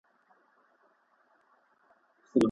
پښتو ژبه زموږ د تېرو وختونو لویه نښه ده